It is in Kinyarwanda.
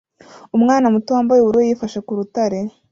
Umwana muto wambaye ubururu yifashe ku rutare